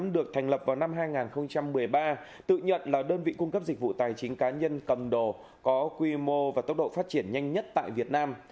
được thành lập vào năm hai nghìn một mươi ba tự nhận là đơn vị cung cấp dịch vụ tài chính cá nhân cầm đồ có quy mô và tốc độ phát triển nhanh nhất tại việt nam